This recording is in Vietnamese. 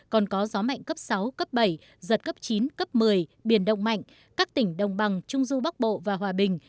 còn có gió mạnh cấp sáu cấp bảy giật cấp chín cấp một mươi biển động mạnh các tỉnh đồng bằng trung du bắc bộ và hòa bình